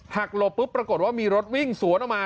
หลบปุ๊บปรากฏว่ามีรถวิ่งสวนออกมา